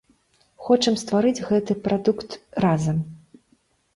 Хочам стварыць гэты прадукт разам.